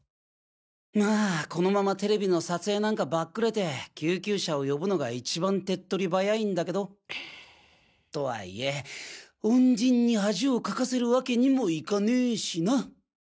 まぁこのままＴＶの撮影なんかばっくれて救急車を呼ぶのが一番手っ取り早いんだけど。とはいえ恩人に恥をかかせる訳にもいかねしな。